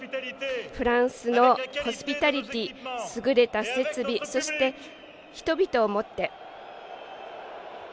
フランスのホスピタリティー優れた設備そして、人々をもって。